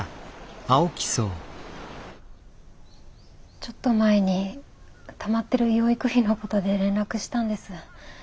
ちょっと前にたまってる養育費のことで連絡したんです。